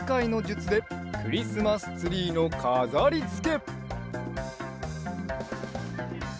つでクリスマスツリーのかざりつけ！